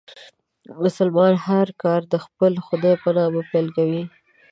مسلمانان هر کار د خپل خدای په نامه پیل کوي.